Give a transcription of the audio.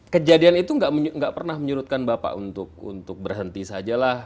kejadian itu nggak pernah menyurutkan bapak untuk berhenti saja lah